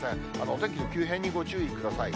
お天気の急変にご注意ください。